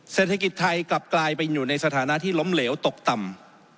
เศรษฐกิจไทยกลับกลายเป็นอยู่ในสถานะที่ล้มเหลวตกต่ำ